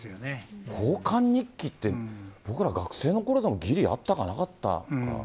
交換日記って、僕ら、学生のころでもぎりあったかなかったか。